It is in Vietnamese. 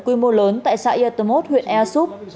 quy mô lớn tại xã yatomot huyện easup